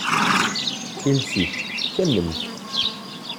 Iles-ik, d tament!